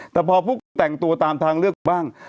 แต่พอพี่ต่างตัวตามทางเลือกบ้าง